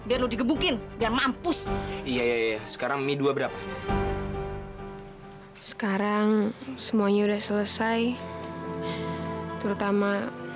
biar digebukin biar mampus iya sekarang m dua berapa sekarang semuanya udah selesai terutama